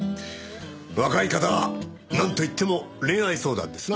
若い方はなんといっても恋愛相談ですな。